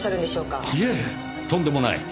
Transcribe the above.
いいえとんでもない。